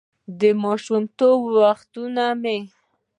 «د ماشومتوب وختونه مې: